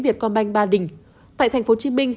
việt com banh ba đình tại tp hcm